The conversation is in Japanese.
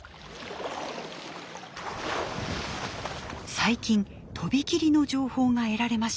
最近とびきりの情報が得られました。